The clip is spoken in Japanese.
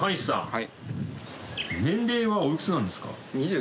はい。